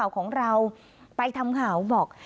ของเราไปทำข่าวบอก